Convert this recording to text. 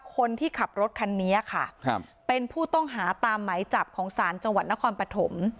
คนที่ขับรถคันนี้ค่ะครับเป็นผู้ต้องหาตามไหมจับของศาลจังหวัดนครปฐม